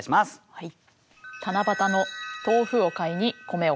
はい。